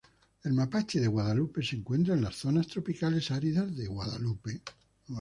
El mapache de Guadalupe se encuentra en las zonas tropicales áridas de Guadalupe.